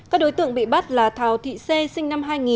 các đối tượng bị bắt là thảo thị xê sinh năm hai nghìn